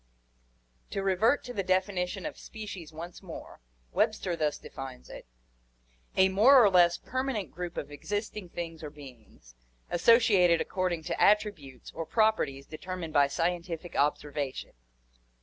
To revert to the definition of species once more, Webster thus defines it: "A more or less permanent group of existing things or beings, associated according to attributes, or properties deter mined by scientific observation."